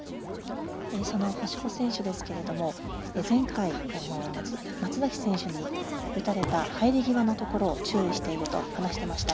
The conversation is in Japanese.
その星子選手ですが前回、松崎選手に打たれた入り際のところを注意していると話していました。